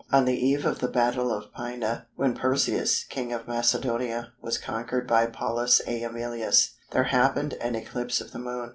On the eve of the battle of Pydna when Perseus, King of Macedonia, was conquered by Paulus Æmilius, there happened an eclipse of the Moon.